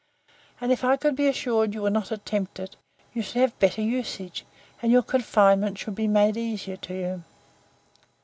And if I could be assured you would not attempt it, you should have better usage, and your confinement should be made easier to you.